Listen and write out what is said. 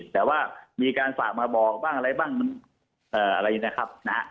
แต่ว่ามีการฝากมาบอกบ้างอะไรบ้างมันอะไรนะครับ